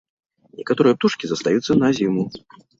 Некаторыя птушкі застаюцца на зіму.